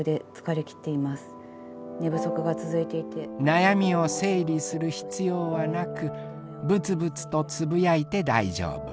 悩みを整理する必要はなくぶつぶつとつぶやいて大丈夫。